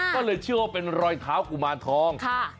ก็เลยเชื่อว่าเป็นรอยเท้ากุมารทอง